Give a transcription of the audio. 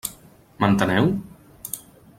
M'enteneu?